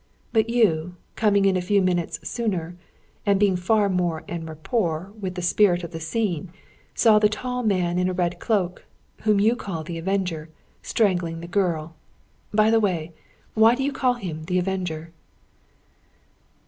But you, coming in a few moments sooner, and being far more en rapport with the spirit of the scene, saw the tall man in a red cloak whom you call the Avenger strangling the girl. By the way, why do you call him the Avenger?"